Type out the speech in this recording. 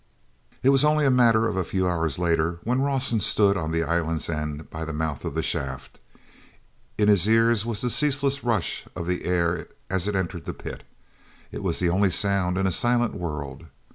t was only a matter of a few hours later when Rawson stood on the island's end by the mouth of the shaft. In his ears was the ceaseless rush of the air as it entered the pit; it was the only sound in a silent world.